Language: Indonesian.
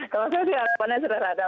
kalau saya sih harapannya sudah ada